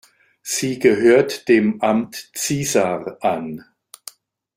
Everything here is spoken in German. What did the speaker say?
Sie gehört dem Amt Ziesar an.